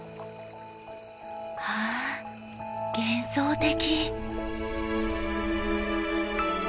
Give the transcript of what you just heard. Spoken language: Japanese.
わあ幻想的！